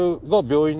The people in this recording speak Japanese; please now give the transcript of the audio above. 病院？